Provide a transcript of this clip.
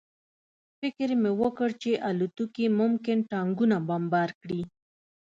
فکر مې وکړ چې الوتکې ممکن ټانکونه بمبار کړي